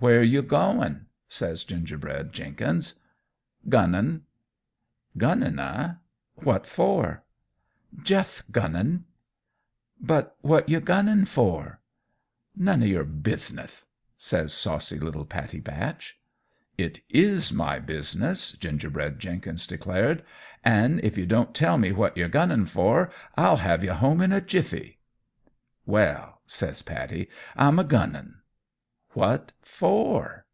"Where you goin'?" says Gingerbread Jenkins. "Gunnin'." "Gunnin', eh? What for?" "Jutht gunnin'." "But what you gunnin' for?" "None o' your bithneth," says saucy little Pattie Batch. "It is my business," Gingerbread Jenkins declared; "an' if you don't tell me what you're gunnin' for I'll have you home in a jiffy." "Well," says Pattie, "I'm gunnin'." "What for?"